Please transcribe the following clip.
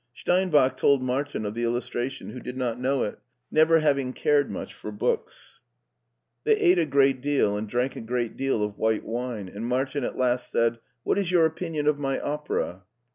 Steinbach told Martin of the illustration, who did not know it, never having cared much for books. They ate a great deal, and drank a great deal of white wine, and Martin at last said, "What is your opinion of my opera?"